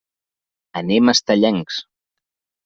Anem a Estellencs.